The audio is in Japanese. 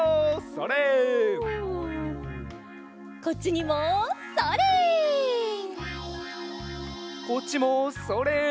こっちにもそれ。